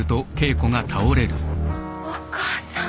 お母さん。